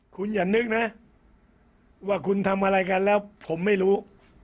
คุณอย่านึกนะว่าคุณทำอะไรกันแล้วผมไม่รู้